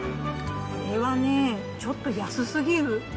これはね、ちょっと安すぎる。